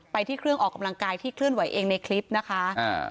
ไปที่เครื่องออกกำลังกายที่เคลื่อนไหวเองในคลิปนะคะอ่า